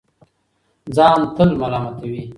ځان تل ملامتوي